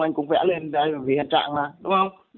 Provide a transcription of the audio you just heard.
anh cũng vẽ lên vì hạn trạng mà đúng không